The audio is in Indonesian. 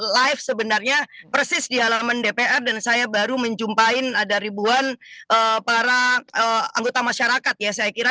live sebenarnya persis di halaman dpr dan saya baru menjumpai ada ribuan para anggota masyarakat ya saya kira